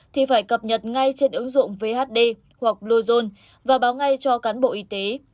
thì phải cập nhật ngay trên ứng dụng vhd hoặc bluezone và báo ngay cho cán bộ y tế